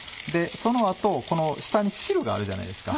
その後この下に汁があるじゃないですか。